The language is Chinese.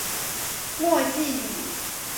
莫济里。